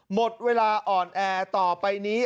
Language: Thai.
หมดเวลาอ่อนแอต่อไปนี้